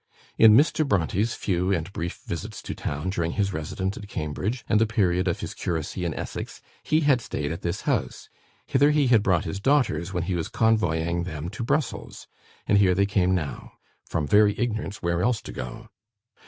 In Mr. Brontë's few and brief visits to town, during his residence at Cambridge, and the period of his curacy in Essex, he had stayed at this house; hither he had brought his daughters, when he was convoying them to Brussels; and here they came now, from very ignorance where else to go.